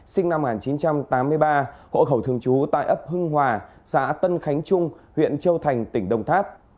sinh năm một nghìn chín trăm tám mươi ba hộ khẩu thường trú tại ấp hưng hòa xã tân khánh trung huyện châu thành tỉnh đồng tháp